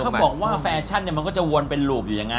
เขาบอกว่าแฟชั่นเนี่ยมันก็จะวนเป็นรูปอยู่อย่างนั้น